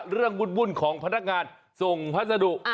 เรื่องบุ่นของพนักงานส่งพัฒนธุ